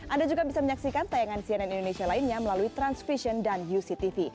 anda juga bisa menyaksikan tayangan cnn indonesia lainnya melalui transvision dan uctv